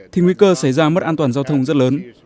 thì nguy cơ xảy ra mất an toàn giao thông rất lớn